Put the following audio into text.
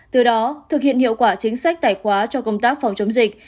từ đó thực hiện hiệu quả chính sách tải khóa cho công tác phòng chống dịch